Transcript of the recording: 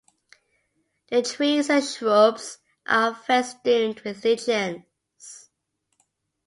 The trees and shrubs are festooned with lichens.